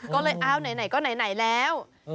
ก็เลยอ้าวไหนก็ไหนแล้ว